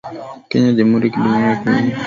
kenya jamhuri ya kidemokrasi ya kongo